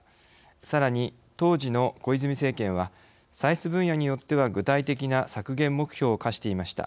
さらに当時の小泉政権は歳出分野によっては具体的な削減目標を課していました。